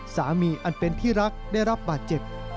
อันเป็นที่รักได้รับบาดเจ็บ